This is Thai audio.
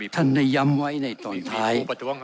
ท่านได้ย้ำไว้ในตอนท้าย